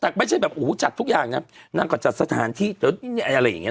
แต่ไม่ใช่แบบโอ้โหจัดทุกอย่างนะนางก็จัดสถานที่เดี๋ยวอะไรอย่างเงี้